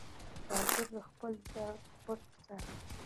سوالګر د خپل درد پټ ساتي